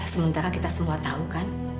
sementara kita semua tahu kan